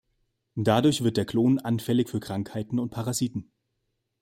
Dadurch wird der Klon anfällig für Krankheiten und Parasiten.